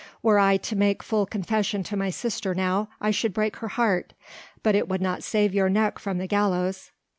Were I to make full confession to my sister now, I should break her heart but it would not save your neck from the gallows."